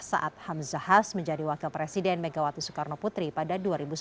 saat hamzahas menjadi wakil presiden megawati soekarno putri pada dua ribu sebelas